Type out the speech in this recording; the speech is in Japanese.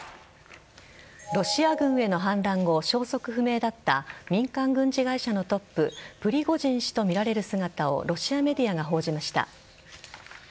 ロシア軍への反乱後消息不明だった民間軍事会社のトッププリゴジン氏とみられる姿をロシアメディアが報じました。